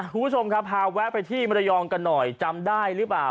คุณผู้ชมครับพาแวะไปที่มรยองกันหน่อยจำได้หรือเปล่า